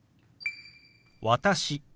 「私」。